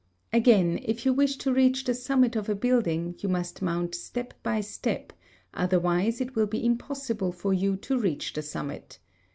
Again, if you wish to reach the summit of a building you must mount step by step, otherwise it will be impossible for you to reach the summit.